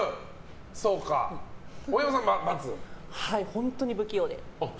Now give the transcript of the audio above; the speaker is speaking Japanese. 本当に不器用で。